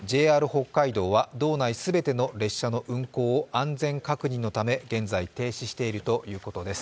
ＪＲ北海道は道内全ての列車の運行を安全確認のため現在、停止しているということです。